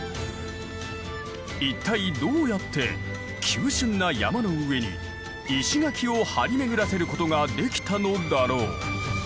一体どうやって急しゅんな山の上に石垣を張り巡らせることができたのだろう？